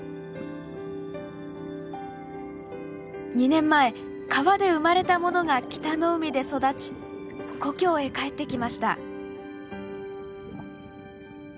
２年前川で生まれたものが北の海で育ち故郷へ帰ってきました。